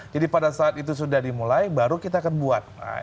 jadi pada saat itu sudah dimulai baru kita akan buat